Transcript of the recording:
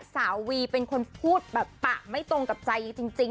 สาววีเป็นคนพูดแบบปะไม่ตรงกับใจจริง